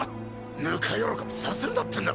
ぬか喜びさせるなってんだ